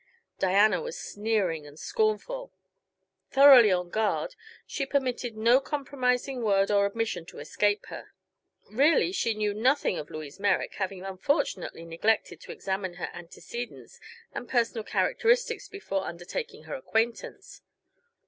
Diana was sneering and scornful. Thoroughly on guard, she permitted no compromising word or admission to escape her. Really, she knew nothing of Louise Merrick, having unfortunately neglected to examine her antecedents and personal characteristics before undertaking her acquaintance.